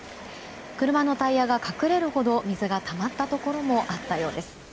車のタイヤが隠れるほど水がたまったところもあったようです。